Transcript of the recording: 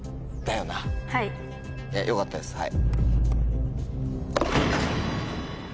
よかったですはい。